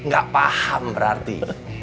gak paham berarti